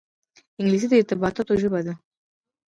انګلیسي د ارتباطاتو ژبه ده